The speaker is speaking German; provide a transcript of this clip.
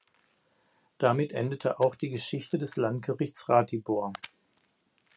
Damit endete auch die Geschichte des Landgerichts Ratibor.